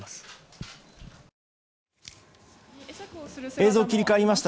映像切り替わりました。